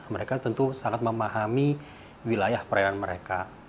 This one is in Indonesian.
mereka tentu sangat memahami wilayah perairan mereka